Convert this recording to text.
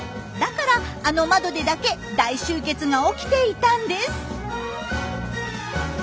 だからあの窓でだけ大集結が起きていたんです。